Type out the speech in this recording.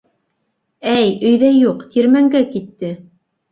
Әй, өйҙә юҡ, тирмәнгә китте.